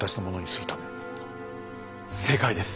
正解です。